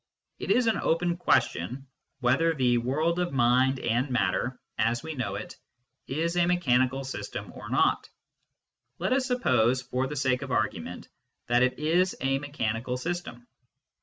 It is an open question whether the world of mind and matter, as we know it, is a mechanical system or not ; let us suppose, for the sake of argument, that it is a mechanical system.